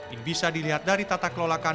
ini bisa dilihat dari tata kelolakan